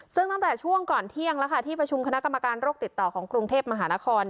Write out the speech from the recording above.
ซึ่งตั้งแต่ช่วงก่อนเที่ยงแล้วค่ะที่ประชุมคณะกรรมการโรคติดต่อของกรุงเทพมหานคร